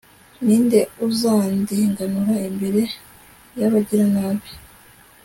ni nde uzandenganura imbere y'abagiranabi